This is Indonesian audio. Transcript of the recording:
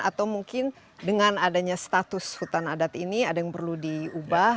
atau mungkin dengan adanya status hutan adat ini ada yang perlu diubah